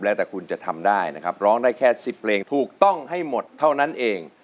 แล้วแต่คุณจะทำได้นะครับร้องได้แค่๑๐เพลงถูกต้องให้หมดเท่านั้นเอง